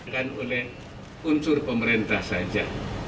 dan oleh unsur pemerintah saja